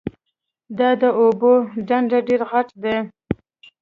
دا د اوبو ډنډ ډېر غټ ده